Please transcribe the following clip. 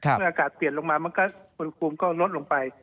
เมื่ออากาศเปลี่ยนลงมาอุณหภูมิก็ลดลงไป